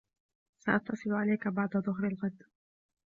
سأتصل عليك بعد ظهر الغد.